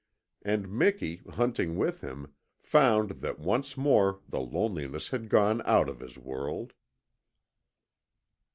And Miki, hunting with him, found that once more the loneliness had gone out of his world.